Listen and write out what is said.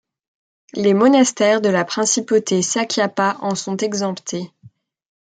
Les monastères de la principauté sakyapa en sont exemptés.